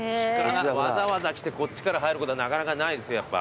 わざわざ来てこっちから入ることはなかなかないですよ